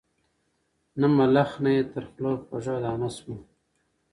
نه ملخ نه یې تر خوله خوږه دانه سوه